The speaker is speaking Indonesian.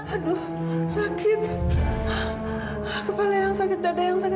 aduh sakit kepala yang sakit dada yang sakit